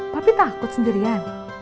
tapi takut sendirian